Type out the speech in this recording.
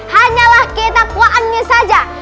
hanyalah ketakwaannya saja